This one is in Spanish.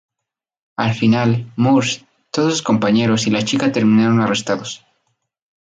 Al final, Murs, todos sus compañeros y la chica terminan arrestados.